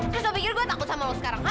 terus lo pikir gue takut sama lo sekarang ha